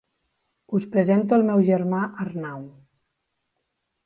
Us presento el meu germà Arnau.